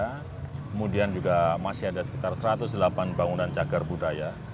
kemudian juga masih ada sekitar satu ratus delapan bangunan cagar budaya